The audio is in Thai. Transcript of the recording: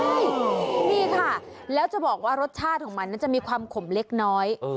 นี่ค่ะแล้วจะบอกว่ารสชาติของมันน่าจะมีความขมเล็กน้อย